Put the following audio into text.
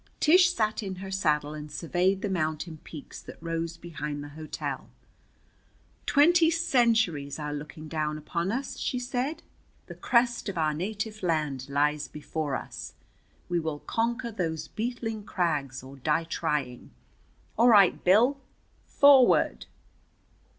Tish sat in her saddle and surveyed the mountain peaks that rose behind the hotel. "Twenty centuries are looking down upon us!" she said. "The crest of our native land lies before us. We will conquer those beetling crags, or die trying. All right, Bill. Forward!"